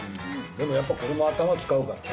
でもやっぱこれも頭使うからね。